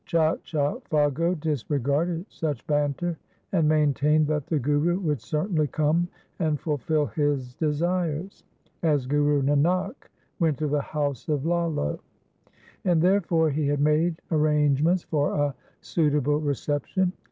Chacha Phaggo dis regarded such banter, and maintained that the Guru would certainly come and fulfil his desires, as Guru Nanak went to the house of Lalo; and therefore he had made arrangements for a suit able reception.